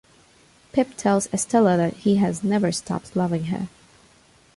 Pip tells Estella that he has never stopped loving her.